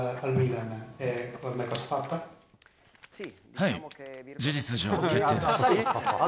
はい、事実上決定です。